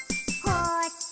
「こっち？」